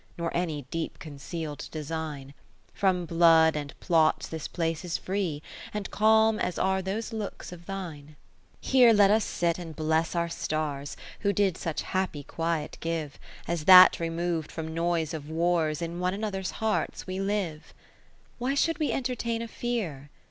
Nor any deep conceal'd design ; From blood and plots this place is free, 1 1 And calm as are those looks of thine, IV Here let us sit and bless our stars, Who did such happy quiet give. As that remov'd from noise of w^rs, In one another's hearts we live, Why should we entertain a fear